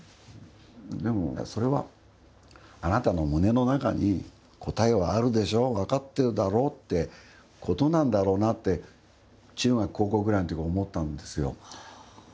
でもそれはあなたの胸の中に答えはあるでしょう分かってるだろうってことなんだろうなって中学高校ぐらいのときに思ったんですよ。